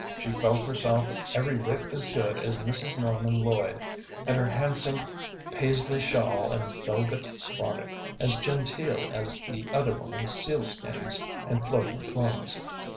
She felt herself every whit as good as Mrs. Norman Lloyd, and her handsome Paisley shawl and velvet bonnet as genteel as the other woman's sealskins and floating plumes.